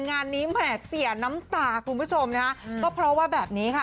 งานนี้แหม่เสียน้ำตาคุณผู้ชมนะคะก็เพราะว่าแบบนี้ค่ะ